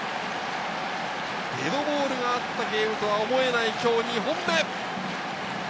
デッドボールがあったゲームとは思えない今日２本目。